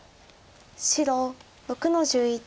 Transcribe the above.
白６の十一。